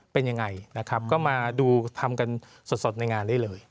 เป็นยังไงนะครับก็มาดูทำกันสดในงานได้เลย